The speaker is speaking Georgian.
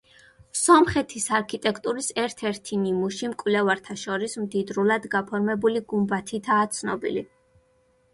სომხეთის არქიტექტურის ერთ-ერთი ნიმუში მკვლევართა შორის მდიდრულად გაფორმებული გუმბათითაა ცნობილი.